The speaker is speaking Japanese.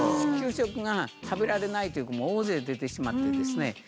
給食が食べられないっていう子も大勢出てしまってですね